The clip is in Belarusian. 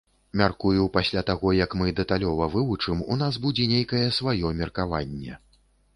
Мяркую, пасля таго як мы дэталёва вывучым, у нас будзе нейкае сваё меркаванне.